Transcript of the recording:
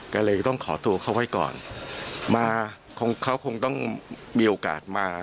ก็เลยต้องขอตัวเขาไว้ก่อนมาคงเขาคงต้องมีโอกาสมา